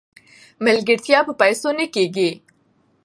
ملګرتیا په پیسو نه کیږي.